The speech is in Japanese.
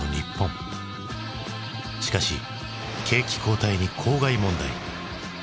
しかし景気後退に公害問題。